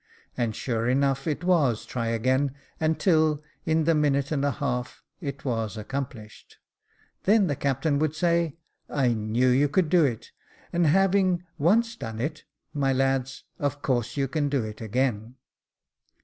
And sure enough it was try again, until in the minute and a half it was accomplished. Then the captain would say, "I knew you could do it, and having once done it, my lads, of course you can do it again."